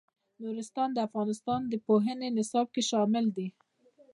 نورستان د افغانستان د پوهنې نصاب کې شامل دي.